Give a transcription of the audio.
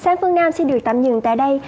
sáng phương nam xin được tạm dừng tại đây